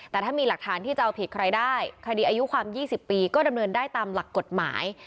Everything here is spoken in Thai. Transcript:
แต่ถ้ามีหลักฐานที่จะเอาผิดใครได้คดีอายุความ๒๐ปีก็ดำเนินได้ตามหลักกฎหมาย